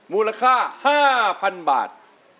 มูลค่า๕๐๐๐บาท